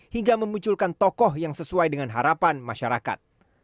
hingga memunculkan tokoh yang sesuai dengan harapan masyarakat